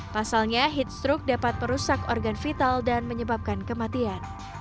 pasalnya heat stroke dapat merusak organ vital dan menyebabkan kematian